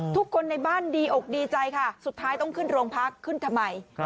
ทุกคนในบ้านดีอกดีใจค่ะสุดท้ายต้องขึ้นโรงพักขึ้นทำไม